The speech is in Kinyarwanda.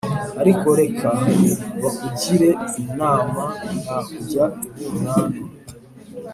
ariko reka bakugire inama nta kujya i bunanu